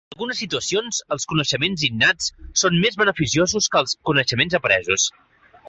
En algunes situacions, els coneixements innats són més beneficiosos que els coneixements apresos.